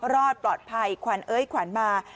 รอดปลอดภัยขวานเอ๊ยขวานมา